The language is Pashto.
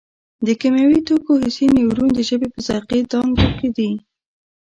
د کیمیاوي توکو حسي نیورون د ژبې په ذایقې دانکو کې دي.